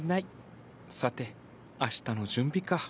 さてあしたの準備か。